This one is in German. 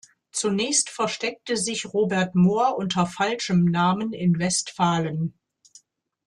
Zunächst versteckte sich Robert Mohr unter falschem Namen in Westfalen.